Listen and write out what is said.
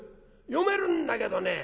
読めるんだけどね